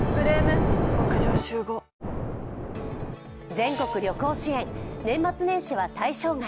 全国旅行支援、年末年始は対象外。